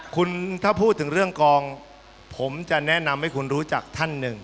คุณถ้าพูดถึงเรื่องกองผมจะแนะนำให้คุณรู้จักท่านหนึ่ง